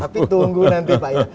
tapi tunggu nanti pak ya